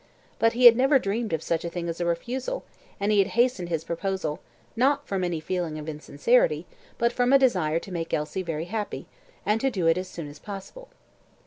But he had never dreamed of such a thing as a refusal, and he had hastened his proposal, not from any feeling of insecurity, but from a desire to make Elsie very happy, and to do it as soon as possible.